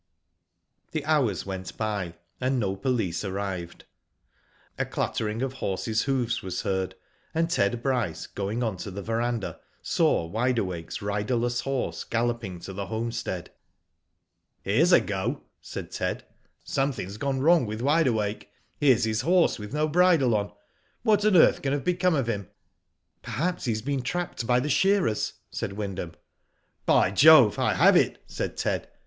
The hours went by, and no police arrived. A clattering of horses hoofs was heard, and Ted Bryce, going on to the verandah, saw Wide Awake's riderless horse galloping to the home stead. "Here's a go," said Ted. "Something's gone wrong with Wide Awake. Here's his horse with Digitized byGoogk ATTACK ON THE HOMESTEAD. 165 no bridle on. What on earth can have become of him?" "Perhaps he has been trapped by the shearers/* said Wyndham. .'• By Jove !" I have it/' said Ted.